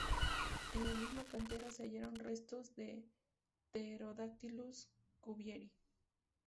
En la misma cantera se hallaron restos de "Pterodactylus cuvieri".